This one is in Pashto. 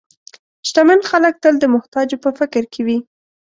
شتمن خلک تل د محتاجو په فکر کې وي.